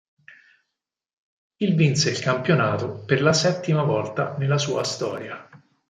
Il vinse il campionato per la settima volta nella sua storia.